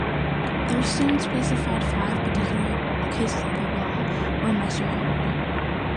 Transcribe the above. Thurstone specified five particular cases of the 'law', or measurement model.